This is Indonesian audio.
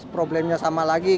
problemnya sama lagi